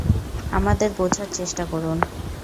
আমাদের বুঝার চেষ্টা করুন।